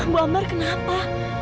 bu amar kenapa